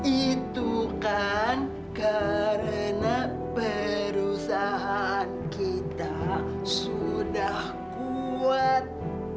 itu kan karena perusahaan kita sudah kuat